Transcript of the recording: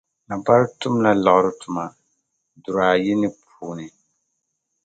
Napari tumla liɣiri tuma dur' ayi ni puuni.